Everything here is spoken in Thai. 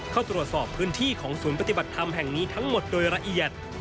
เข้าตรวจสอบพื้นที่ของศูนย์ปฏิบัติธรรมแห่งนี้ทั้งหมดโดยละเอียด